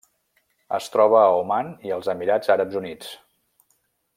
Es troba a Oman i els Emirats Àrabs Units.